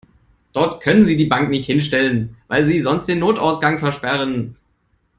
Dort können Sie die Bank nicht hinstellen, weil Sie sonst den Notausgang versperren.